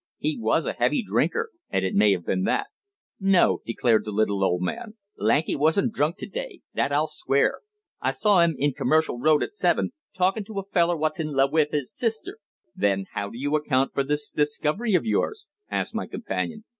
He was a heavy drinker, and it may have been that." "No," declared the little old man, "Lanky wasn't drunk to day that I'll swear. I saw 'im in Commercial Road at seven, talkin' to a feller wot's in love wiv 'is sister." "Then how do you account for this discovery of yours?" asked my companion.